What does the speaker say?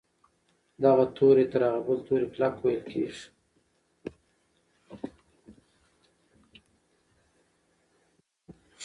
دغه توری تر هغه بل توري کلک ویل کیږي.